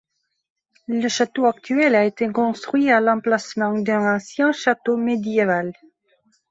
Le château actuel a été construit à l'emplacement d'un ancien château médiéval.